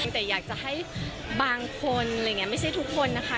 แต่อยากจะให้บางคนไม่ใช่ทุกคนนะคะ